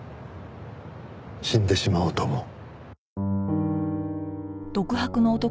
死んでしまおうと思う。